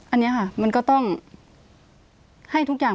อันนี้ค่ะมันก็ต้องให้ทุกอย่าง